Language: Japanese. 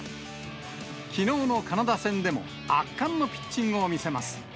きのうのカナダ戦でも圧巻のピッチングを見せます。